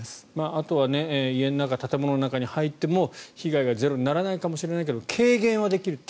あとは、家の中建物の中に入っても被害がゼロにならないかもしれないけど軽減はできると。